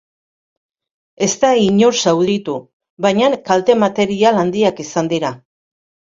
Ez da inor zauritu, baina kalte material handiak izan dira.